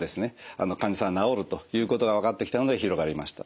患者さんが治るということが分かってきたので広がりました。